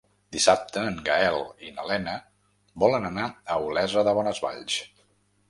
Dissabte en Gaël i na Lena volen anar a Olesa de Bonesvalls.